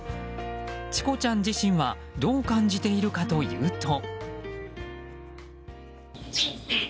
チコちゃん自身はどう感じているかというと。